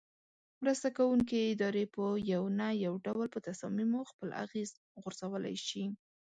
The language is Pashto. مرسته ورکوونکې ادارې په یو نه یو ډول په تصامیمو خپل اغیز غورځولای شي.